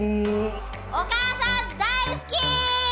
お母さん大好き！